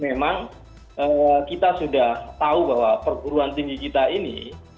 perguruan tinggi kita ini kita sudah tahu bahwa perguruan tinggi kita ini kita sudah tahu bahwa perguruan tinggi kita ini